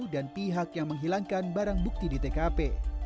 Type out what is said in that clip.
dan pihak yang menghilangkan barang bukti di tkp